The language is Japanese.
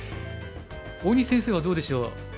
大西先生はどうでしょう？